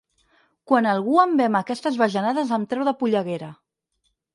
Quan algú em ve amb aquestes bajanades em treu de polleguera.